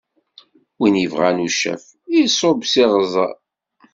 Win ibɣan ucaf, iṣubb s iɣzeṛ!